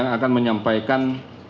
saya akan menyampaikan